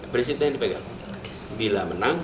prinsipnya ini pegang bila menang